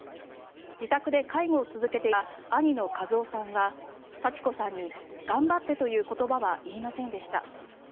自宅で介護を続けていた兄の一雄さんは幸子さんに頑張ってという言葉は言いませんでした。